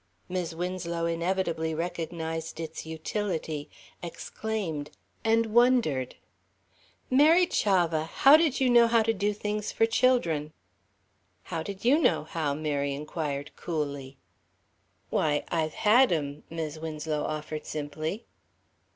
Mis' Winslow inevitably recognized its utility, exclaimed, and wondered. "Mary Chavah! How did you know how to do things for children?" "How did you know how?" Mary inquired coolly. "Why, I've had 'em," Mis' Winslow offered simply.